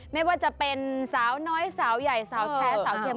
ไม่ว่าจะเป็นสาวน้อยสาวใหญ่สาวแท้สาวเข็ม